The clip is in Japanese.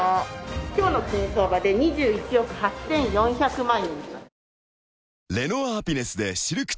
今日の金相場で２１億８４００万円。